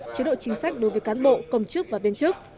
chế độ chính sách đối với cán bộ công chức và viên chức